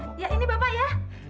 ya ini bapak ya